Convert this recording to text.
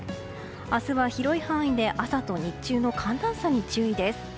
明日は広い範囲で朝と日中の寒暖差に注意です。